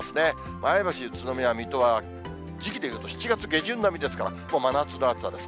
前橋、宇都宮、水戸は時期で言うと７月下旬並みですから、もう真夏の暑さです。